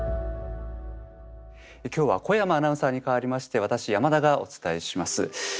今日は小山アナウンサーに代わりまして私山田がお伝えします。